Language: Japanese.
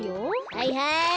はいはい。